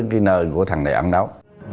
cái nơi của thằng này ăn đó